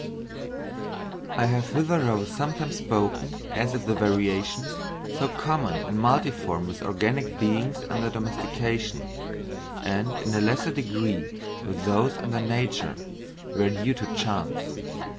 I have hitherto sometimes spoken as if the variations—so common and multiform with organic beings under domestication, and in a lesser degree with those under nature—were due to chance.